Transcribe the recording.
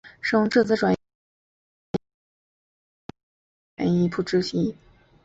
使用质子转移反应质谱法进行分析的仪器称为质子转移反应质谱仪。